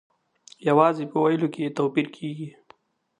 یوازې په ویلو کې یې توپیر کیږي.